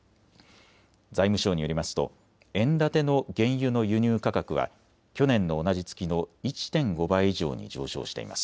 財務省によりますと円建ての原油の輸入価格は去年の同じ月の１．５倍以上に上昇しています。